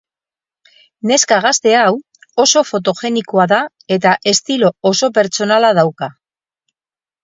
Neska gazte hau oso fotogenikoa da eta estilo oso pertsonala dauka.